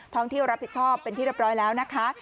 ท่องเที่ยวรับผิดชอบเป็นที่เรียบร้อยแล้วนะคะ